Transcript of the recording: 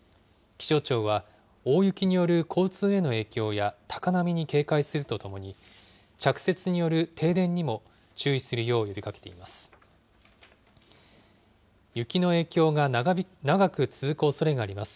気象庁は、大雪による交通への影響や高波に警戒するとともに、着雪による停電にも注意するよう呼びかけています。